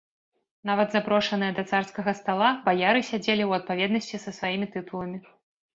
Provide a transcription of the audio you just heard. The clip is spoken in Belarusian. Нават запрошаныя да царскага стала, баяры сядзелі ў адпаведнасці са сваімі тытуламі.